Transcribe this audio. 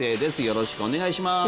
よろしくお願いします